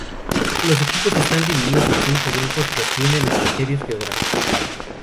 Los equipos están divididos en cinco grupos que atienden a criterios geográficos.